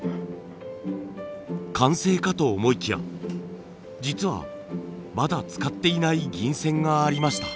完成かと思いきや実はまだ使っていない銀線がありました。